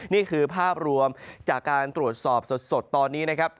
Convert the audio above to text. นี่คือภาพรวมจากการตรวจสอบสดตอนนี้นะครับ